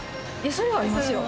それはありますよ。